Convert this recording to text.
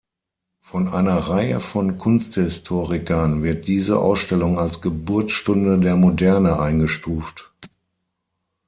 Von einer Reihe von Kunsthistorikern wird diese Ausstellung als Geburtsstunde der Moderne eingestuft.